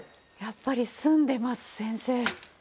やっぱり澄んでます先生。